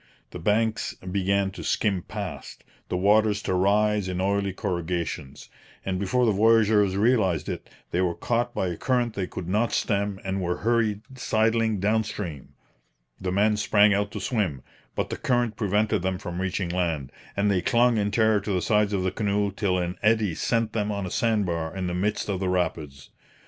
The banks began to skim past, the waters to rise in oily corrugations; and before the voyageurs realized it, they were caught by a current they could not stem and were hurried sidling down stream. The men sprang out to swim, but the current prevented them from reaching land, and they clung in terror to the sides of the canoe till an eddy sent them on a sand bar in the midst of the rapids.